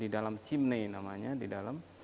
di dalam di dalam cimney namanya di dalam